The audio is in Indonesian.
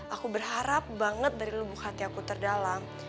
aku berharap banget dari lubuk hati aku terdalam